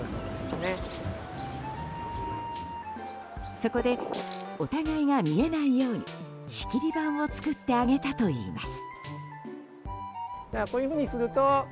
そこでお互いが見えないように仕切り板を作ってあげたといいます。